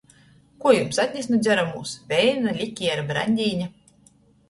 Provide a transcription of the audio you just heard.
Kuo jums atnest nu dzeramūs: veina, likera, braņdīņa?